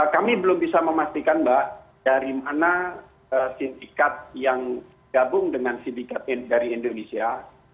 kami belum bisa memastikan mbak dari mana sindikat yang gabung dengan sindikat dari indonesia